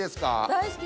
大好き。